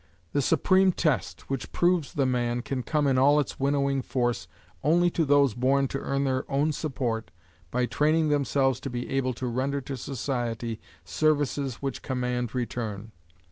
The supreme test, which proves the man, can come in all its winnowing force only to those born to earn their own support by training themselves to be able to render to society services which command return.